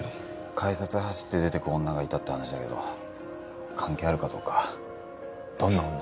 改札走って出てく女がいたって話だけど関係あるかどうかどんな女？